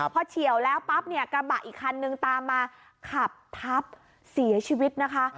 พอเฉียวแล้วปั๊บเนี่ยกระบะอีกคันนึงตามมาขับทับเสียชีวิตนะคะ